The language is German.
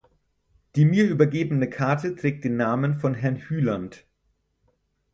Die mir übergebene Karte trägt den Namen von Herrn Hyland.